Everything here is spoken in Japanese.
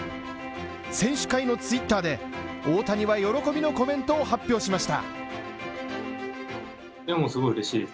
選手会のツイッターで大谷は喜びのコメントを発表しました。